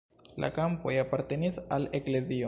La kampoj apartenis al eklezio.